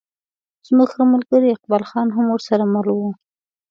زموږ ښه ملګری اقبال خان هم ورسره مل و.